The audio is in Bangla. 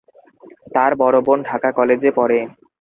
তার বড় বোন ঢাকা কলেজে পড়ে।